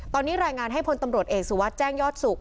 ตอนนี้รายงานให้พลตำรวจเอกสุวัสดิ์แจ้งยอดสุข